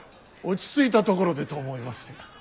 落ち着いたところでと思いまして。